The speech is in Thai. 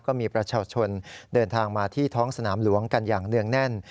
ก็มีประชาชนเดินทางมาที่ท้องสนามหลวงกันอย่างเนื่องแน่น